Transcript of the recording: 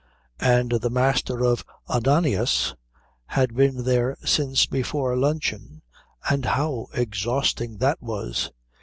And the Master of Ananias had been there since before luncheon, and how exhausting that was.